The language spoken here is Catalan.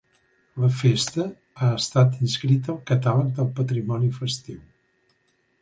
La festa ha estat inscrita al Catàleg del Patrimoni Festiu.